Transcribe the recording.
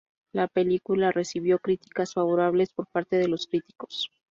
La película recibió críticas favorables por parte de los críticos.